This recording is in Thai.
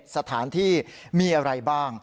สถานที่มีอะไรบ้าง